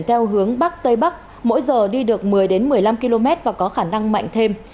theo hướng bắc tây bắc mỗi giờ đi được một mươi một mươi năm km và có khả năng mạnh thêm